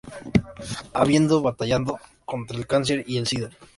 Habiendo batallando contra el cáncer y el sida.